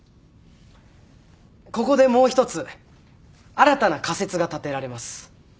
ここでもう一つ新たな仮説が立てられます。